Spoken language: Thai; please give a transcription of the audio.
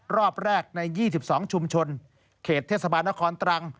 รอบแรกใน๒๒ชุมชนเขตเทศบาลนครตรัง